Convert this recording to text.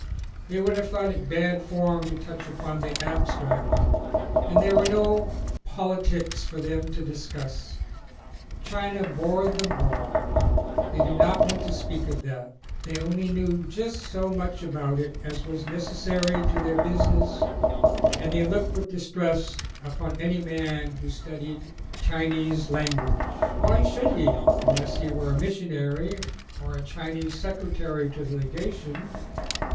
They would have thought it bad form to touch upon the abstract and there were no politics for them to discuss. China bored them all, they did not want to speak of that ; they only knew just so much about it as was necessary to their business, and they looked with distrust upon any man who studied the Chi ON A CHINESE SCREEN nese language. Why should he unless he were a missionary or a Chinese Secretary at the Lega tion?